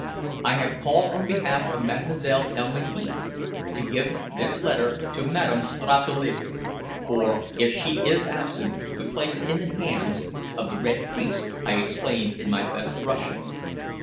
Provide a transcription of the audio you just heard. "I have called on behalf of Mademoiselle Elma Heath, to give this letter to Madame Stassulevitch, or if she is absent to place it in the hands of the Red Priest," I explained in my best Russian.